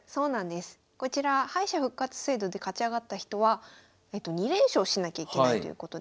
こちら敗者復活制度で勝ち上がった人は２連勝しなきゃいけないということで。